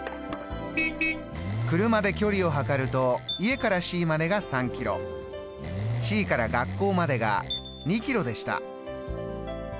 車で距離を測ると家からＣまでが３ｋｍＣから学校までが２ｋｍでした。